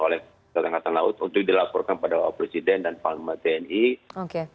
oleh ketenggatan laut untuk dilaporkan pada wp dan palma tni oke